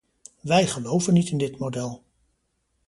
Wij geloven niet in dit model.